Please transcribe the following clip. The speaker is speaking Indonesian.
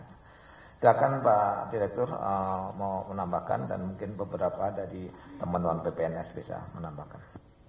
silahkan pak direktur mau menambahkan dan mungkin beberapa dari teman teman ppns bisa menambahkan